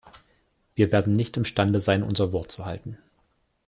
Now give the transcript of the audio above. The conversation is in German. Wir werden nicht im Stande sein, unser Wort zu halten.